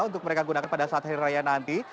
untuk mereka gunakan pada saat hari raya nanti